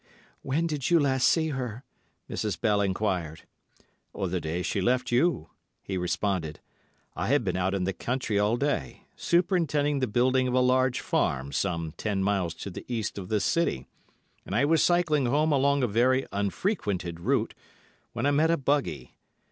"When did you last see her?" Mrs. Bell enquired. "The day she left you," he responded. "I had been out in the country all day, superintending the building of a large farm some ten miles to the east of this city, and I was cycling home along a very unfrequented route, when I met a buggy.